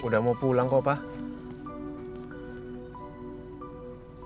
udah mau pulang kok pak